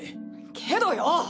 けどよ！